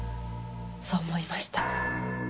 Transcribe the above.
そう思いました。